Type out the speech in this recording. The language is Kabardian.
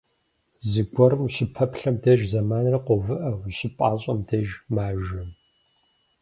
Зыгуэрым ущыпэплъэм деж зэманыр къоувыӏэ, ущыпӏащӏэм деж - мажэ.